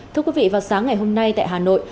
thưa quý vị vào sáng ngày hôm nay tại hà nội